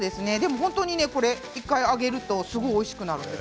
本当に、これ１回揚げるとおいしくなるんです。